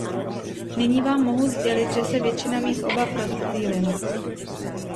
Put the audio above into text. Nyní vám mohu sdělit, že se většina mých obav rozptýlila.